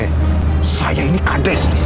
eh saya ini kades disini